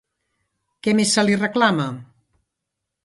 Què més se li reclama?